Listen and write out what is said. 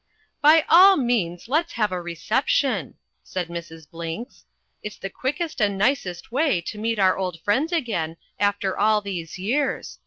"By all means let's have a reception," said Mrs. Blinks. "It's the quickest and nicest way to meet our old friends again after all these years.